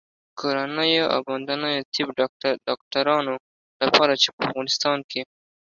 کورنیو او باندنیو طب ډاکټرانو لپاره چې په افغانستان